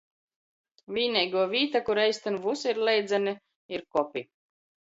Vīneiguo vīta, kur eistyn vysi ir leidzoni, ir kopi.